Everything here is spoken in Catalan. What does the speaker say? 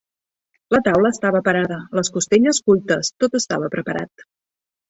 La taula estava parada, les costelles cuites, tot estava preparat.